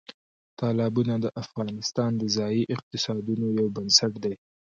تالابونه د افغانستان د ځایي اقتصادونو یو بنسټ دی.